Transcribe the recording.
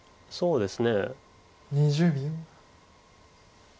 そうです。